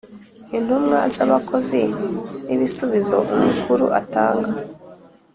Intumwa z abakozi n ibisubizo umukuru atanga